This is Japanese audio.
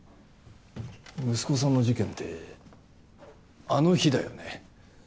息子さんの事件ってあの日だよね？